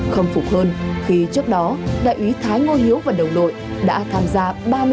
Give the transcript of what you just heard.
không phục hơn khi trước đó đại úy thái ngô hiếu và đồng đội đã tham gia ba mươi chín lượt cứu nạn cứu hộ